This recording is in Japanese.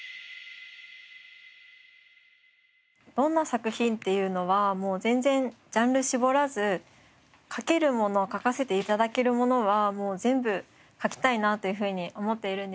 どんな作品っていうのはもう全然ジャンル絞らず書けるもの書かせて頂けるものは全部書きたいなというふうに思っているんですが。